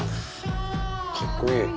かっこいい。